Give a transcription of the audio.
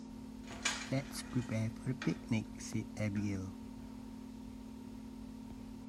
"Let's prepare for the picnic!", said Abigail.